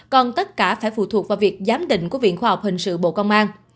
còn tất cả phải phụ thuộc vào việc giám định của viện khoa học hình sự bộ công an